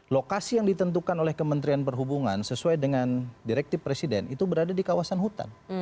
lokasi yang ditentukan oleh kementerian perhubungan sesuai dengan direktif presiden itu berada di kawasan hutan